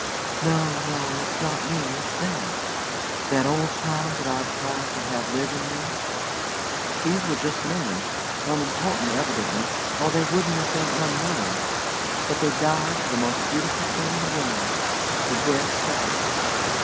"No, no, it's not me, it's them that old time that I've tried to have live in me. These were just men, unimportant evidently or they wouldn't have been 'unknown'; but they died for the most beautiful thing in the world the dead South.